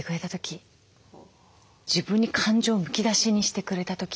自分に感情をむき出しにしてくれた時。